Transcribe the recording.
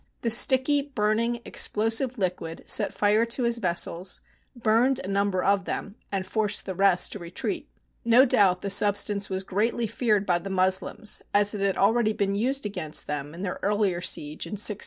The sticky, burning, explosive liquid set fire to his vessels, burned a number of them, and forced the rest to retreat. No doubt the substance was greatly feared by the Moslems, as it had already been used against them in their earlier siege in 673.